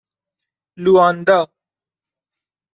لوآندا